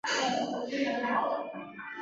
以下是赤道畿内亚的机场列表。